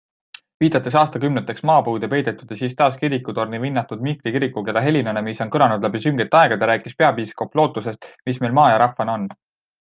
Viidates aastakümneteks maapõue peidetud ja siis taas kirikutorni vinnatud Mihkli kirikukella helinale, mis on kõlanud läbi süngete aegade, rääkis peapiiskop lootusest, mis meil maa ja rahvana on.